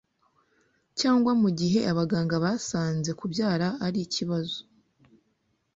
cyangwa mu gihe abaganga basanze kubyara ari ikibazo